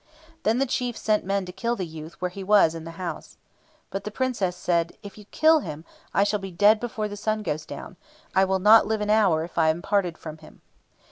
Then the chief sent men to kill the youth where he was in the house. But the Princess said, "If you kill him, I shall be dead before the sun goes down. I will not live an hour if I am parted from him."